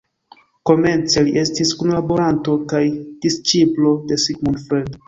Komence li estis kunlaboranto kaj disĉiplo de Sigmund Freud.